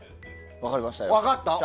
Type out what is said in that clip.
分かりましたよ。